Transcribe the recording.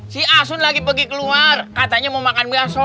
si asun lagi pergi keluar katanya mau makan biasa